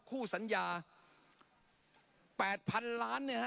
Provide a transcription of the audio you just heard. คู่สัญญา๘๐๐๐ล้านเนี่ยฮะ